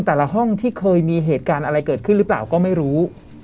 ห้องที่เคยมีเหตุการณ์อะไรเกิดขึ้นหรือเปล่าก็ไม่รู้